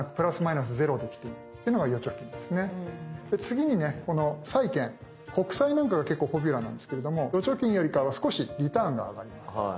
で次にねこの債券国債なんかが結構ポピュラーなんですけれども預貯金よりかは少しリターンが上がります。